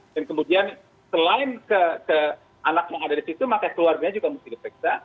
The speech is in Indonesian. dan kemudian selain ke anak yang ada di situ maka keluarganya juga mesti diseksa